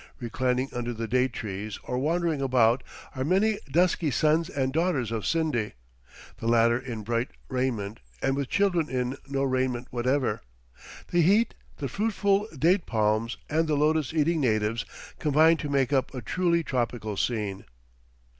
Reclining under the date trees or wandering about are many dusky sons and daughters of Scinde, the latter in bright raiment and with children in no raiment whatever. The heat, the fruitful date palms, and the lotus eating natives combine to make up a truly tropical scene.